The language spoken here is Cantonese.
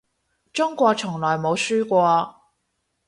中國從來冇輸過